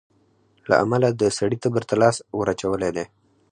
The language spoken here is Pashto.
له امله د سړي تبر ته لاستى وراچولى دى.